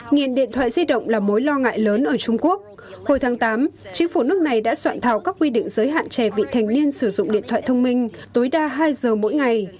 nghiện điện thoại di động là mối lo ngại lớn ở trung quốc hồi tháng tám chính phủ nước này đã soạn thảo các quy định giới hạn trẻ vị thành niên sử dụng điện thoại thông minh tối đa hai giờ mỗi ngày